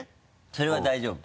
それは大丈夫？